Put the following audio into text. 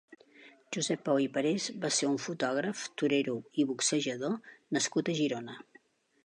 Josep Jou i Parés va ser un fotògraf, torero i boxejador nascut a Girona.